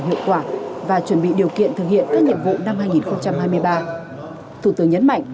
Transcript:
hiệu quả và chuẩn bị điều kiện thực hiện các nhiệm vụ năm hai nghìn hai mươi ba thủ tướng nhấn mạnh